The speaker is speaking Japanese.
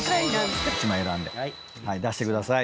１枚選んで出してください。